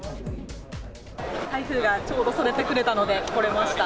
台風がちょうどそれてくれたので、来れました。